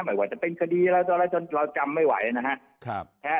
หมายความว่าจะเป็นคดีแล้วแล้วจนเรากลับไม่ไหวนะฮะ